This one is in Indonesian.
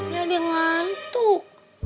ya dia ngantuk